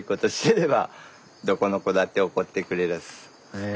へえ。